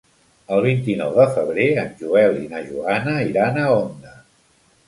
El vint-i-nou de febrer en Joel i na Joana iran a Onda.